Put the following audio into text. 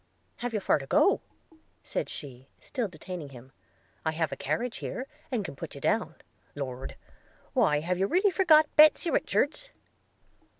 – 'Have you far to go?' said she, still detaining him – 'I have a carriage here, and can put you down – Lord! Why, have you really forgot Betsy Richards?'